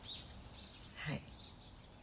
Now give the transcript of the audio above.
はい。